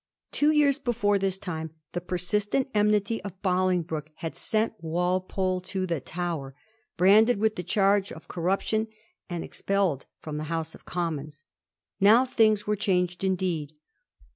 Two years before this time the persistent enmity of Bolingbroke had sent Walpole to the Tower, branded with the charge of corruption and expelled from the House of Commons. Now things are changed indeed.